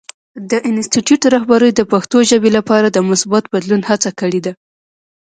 د انسټیټوت رهبرۍ د پښتو ژبې لپاره د مثبت بدلون هڅه کړې ده.